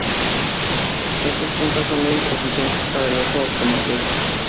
Estas puntas son muy eficientes para el uso automotriz